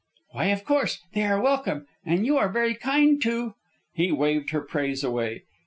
"Why, of course, they are welcome. And you are very kind to " He waved her praise away.